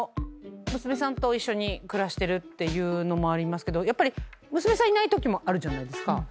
娘さんと一緒に暮らしてるっていうのもありますけどやっぱり娘さんいないときもあるじゃないですか。